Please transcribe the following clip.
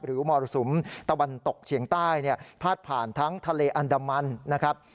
มรสุมตะวันตกเฉียงใต้เนี่ยพาดผ่านทั้งทะเลอันดามันนะครับ